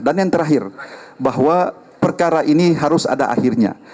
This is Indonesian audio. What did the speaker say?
dan yang terakhir bahwa perkara ini harus ada akhirnya